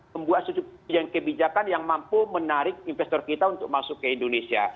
membuat suatu kebijakan yang mampu menarik investor kita untuk masuk ke indonesia